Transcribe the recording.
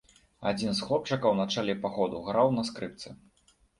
Адзін з хлопчыкаў на чале паходу граў на скрыпцы.